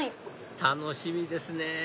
楽しみですね